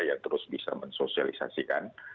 yang terus bisa mensosialisasikan